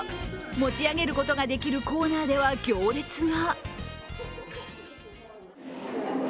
持ち上げることができるコーナーでは行列が。